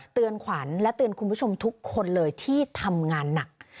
เตือนขวัญและเตือนคุณผู้ชมทุกคนเลยที่ทำงานหนัก